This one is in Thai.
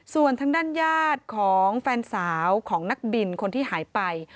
ส่วนทางด้านญาติของแฟนสาวของนักบินคนที่หายไป